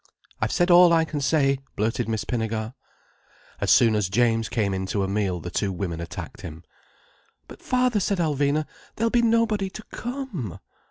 "I've said all I can say," blurted Miss Pinnegar. As soon as James came in to a meal, the two women attacked him. "But father," said Alvina, "there'll be nobody to come."